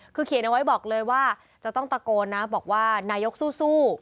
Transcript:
คือเขียนเอาไว้บอกเลยว่าจะต้องตะโกนนะบอกว่านายกสู้